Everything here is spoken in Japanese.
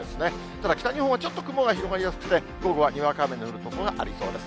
ただ北日本はちょっと雲が広がりやすくて、午後はにわか雨の降る所がありそうです。